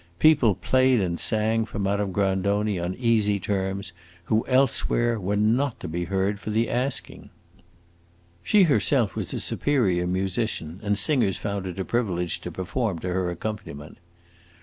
People played and sang for Madame Grandoni, on easy terms, who, elsewhere, were not to be heard for the asking. She was herself a superior musician, and singers found it a privilege to perform to her accompaniment.